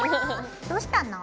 どうしたの？